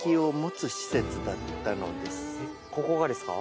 ここがですか？